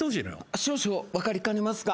少々分かりかねますが。